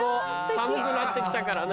寒くなって来たからね。